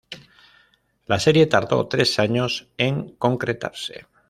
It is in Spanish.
La serie tardó tres años en concretarse.